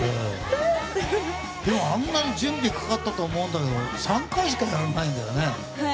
でもあんなの準備かかったと思うんだけど３回しかやらないんだよね。